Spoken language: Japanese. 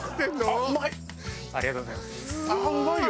ありがとうございます。